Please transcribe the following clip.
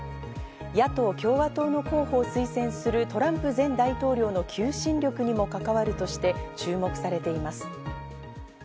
野党・共和党の候補を推薦するトランプ前大統領の求心力にも関わるとして注目されています。